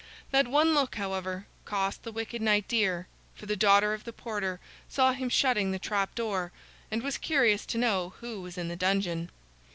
That one look, however, cost the wicked knight dear, for the daughter of the porter saw him shutting the trapdoor, and was curious to know who was in the dungeon.